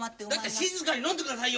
静かに飲んでくださいよ！